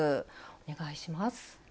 お願いします。